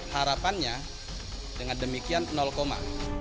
harapannya dengan demikian koma